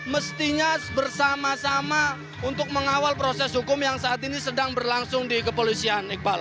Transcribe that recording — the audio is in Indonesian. mestinya bersama sama untuk mengawal proses hukum yang saat ini sedang berlangsung di kepolisian iqbal